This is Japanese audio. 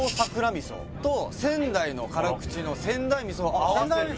みそと仙台の辛口の仙台みそを合わせて。